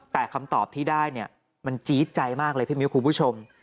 แต่คำตอบที่ได้เนี่ยมันจี๊ดใจมากเลยพี่มิ้วคุณผู้ชม